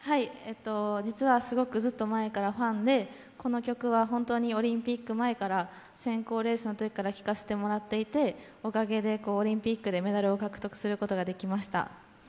実はすごくずっと前からファンでこの曲は本当にオリンピック前の選考レースのときから聴かせていただいていて、おかげでオリンピックでメダルを獲得することができました。